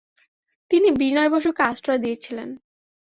তিনি বিনয় বসুকে আশ্রয় দিয়েছিলেন।